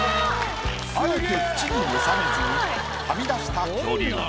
あえて縁に収めずにはみ出した恐竜。